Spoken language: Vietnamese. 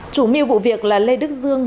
chủ mưu vụ việc là lê đức dương